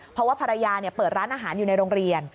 เพราะว่าภรรยาเปิดร้านอาหารอยู่ในโรงเรียน